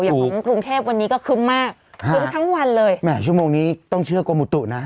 อย่างของกรุงเทพวันนี้ก็คึ้มมากคึ้มทั้งวันเลยแหมชั่วโมงนี้ต้องเชื่อกรมอุตุนะ